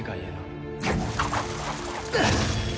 うっ！